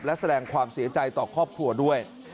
และแสดงความเสียใจต่อครอบครัวด้วย